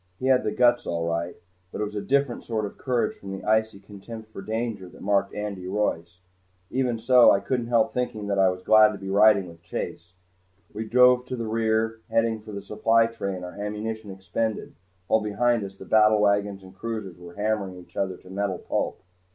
He had the guts all right. But it was a different sort of courage from the icy contempt for danger that marked Andy Royce. Even so, I couldn't help thinking that I was glad to be riding with Chase. We drove to the rear, heading for the supply train, our ammunition expended, while behind us the battlewagons and cruisers were hammering each other to metal pulp.